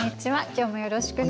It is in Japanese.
今日もよろしくね。